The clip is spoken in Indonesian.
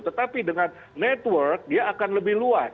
tetapi dengan network dia akan lebih luas